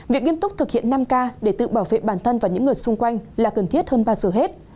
việc nghiêm túc thực hiện năm k để tự bảo vệ bản thân và những người xung quanh là cần thiết hơn bao giờ hết